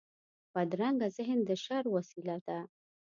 بدرنګه ذهن د شر وسيله ده